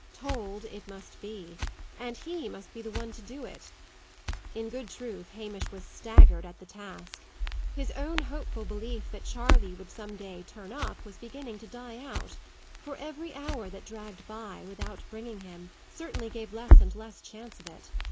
Told it must be; and he must be the one to do it. In good truth, Hamish was staggered at the task. His own hopeful belief that Charley would some day "turn up," was beginning to die out; for every hour that dragged by, without bringing him, certainly gave less and less chance of it.